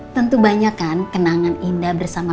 tentu banyak kan kenangan indah bersama